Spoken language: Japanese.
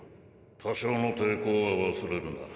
多少の抵抗は忘れるな。